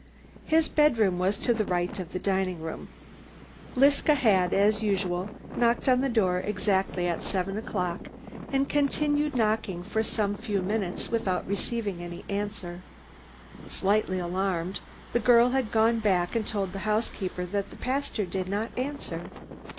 His bedroom was to the right of the dining room. Liska had, as usual, knocked on the door exactly at seven o'clock and continued knocking for some few minutes without receiving any answer. Slightly alarmed, the girl had gone back and told the housekeeper that the pastor did not answer.